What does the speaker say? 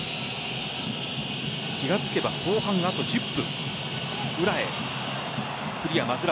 気が付けば後半もあと１０分。